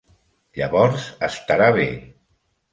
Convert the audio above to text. Llavors estarà bé.